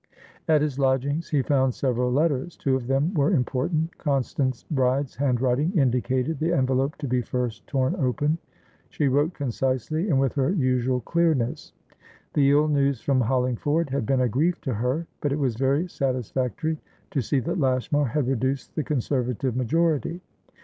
At his lodgings he found several letters; two of them were important. Constance Bride's handwriting indicated the envelope to be first torn open. She wrote concisely and with her usual clearness. The ill news from Hollingford had been a grief to her, but it was very satisfactory to see that Lashmar had reduced the Conservative majority.